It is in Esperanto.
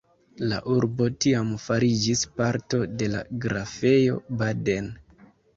La urbo tiam fariĝis parto de la Grafejo Baden.